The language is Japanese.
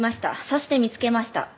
そして見つけました。